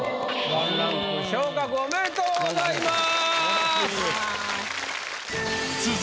１ランク昇格おめでとうございます。